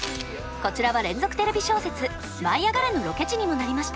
こちらは連続テレビ小説「舞いあがれ！」のロケ地にもなりました。